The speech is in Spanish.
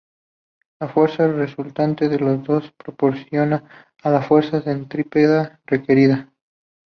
La fuerza resultante de las dos proporciona la fuerza centrípeta requerida.